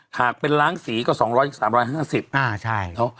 หากเป็นร้างสีก็๒๐๐๓๕๐บาทอ่าใช่ใช่